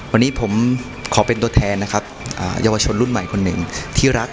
วันนี้ผมขอเป็นตัวแทนนะครับเยาวชนรุ่นใหม่คนหนึ่งที่รักต่อวัฒนธรรมก็ขอเชิญชวนนะครับ